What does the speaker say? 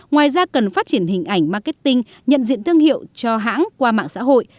ngoài ra cần phát triển hình ảnh marketing nhận diện thương hiệu cho hãng qua mạng xã hội